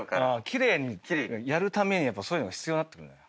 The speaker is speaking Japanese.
奇麗にやるためにそういうのが必要になってくる。